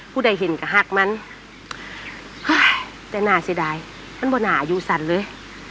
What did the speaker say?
พูดได้เห็นกระฮักมั้นแต่หน้าเสียดายมันว่าหน้าอยู่สันเลย